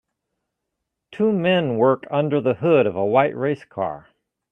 Two men work under the hood of a white race car.